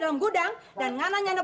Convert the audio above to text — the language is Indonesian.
kamu kira ini kan tim mainan